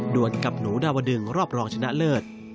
วนกับหนูดาวดึงรอบรองชนะเลิศ